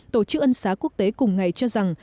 tổ chức ân xá quốc tế cùng ngày cho rằng